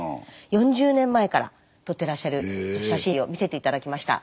４０年前から撮ってらっしゃる写真を見せて頂きました。